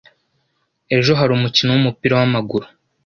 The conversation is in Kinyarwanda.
Ejo hari umukino wumupira wamaguru.